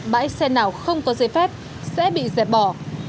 bãi xe nào không có giấy phép sẽ bị dẹp bỏ